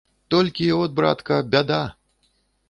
Толькі от, братка, бяда!